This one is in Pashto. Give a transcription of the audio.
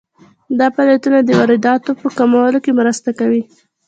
دا فعالیتونه د وارداتو په کمولو کې مرسته کوي.